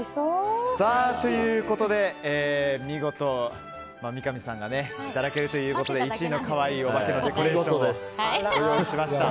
ということで見事、三上さんがいただけるということで１位の、かわいいオバケのデコレーションをご用意しました。